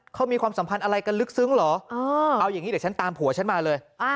เขามีความสัมพันธ์อะไรกันลึกซึ้งเหรอเอาอย่างนี้เดี๋ยวฉันตามผัวฉันมาเลย